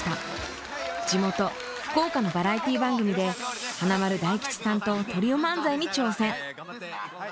地元福岡のバラエティー番組で華丸・大吉さんとトリオ漫才に挑戦。